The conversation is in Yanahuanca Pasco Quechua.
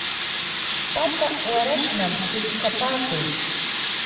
patsa warashnam rikchapakuy.